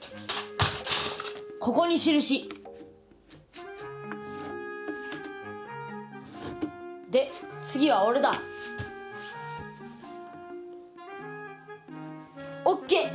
ここに印で次は俺だＯＫ！